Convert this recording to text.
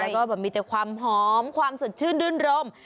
ใช่และมีแต่ความหอมความสดชื่นดื่นรม